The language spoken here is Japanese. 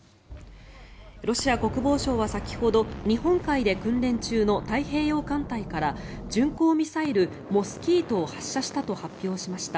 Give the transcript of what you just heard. ロシア国防省は先ほど日本海で訓練中の太平洋艦隊から巡航ミサイルモスキートを発射したと発表しました。